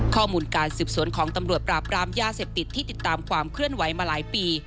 ข้อมูลการสืบสวนของตำรวจปราบรามยาเสพติดที่ติดตามความเคลื่อนไหวมาหลายปี